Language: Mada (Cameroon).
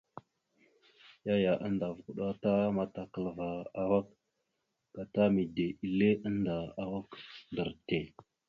Yaya andava kuɗa ta matakalva awak gata mide ille annda awak ɗar te.